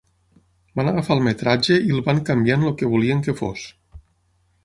Van agafar el metratge i el van canviar en el que volien que fos.